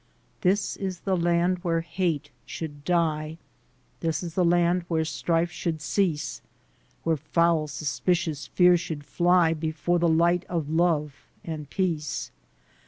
This is the land where hate should die This is the land where strife should cease, Where foul, suspicious fear should fly Before the light of love and peace.